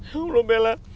ya allah bella